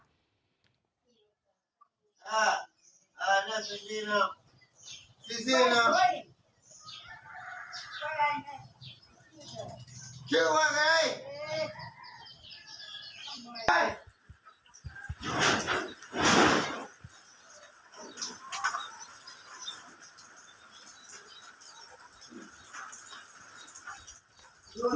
ผู้ชมต้องการแบบ